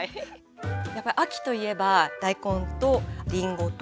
やっぱり秋といえば大根とりんごとナッツ。